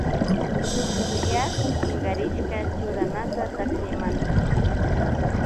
Tullpuyaku chinkarishka churanata takshaymanta.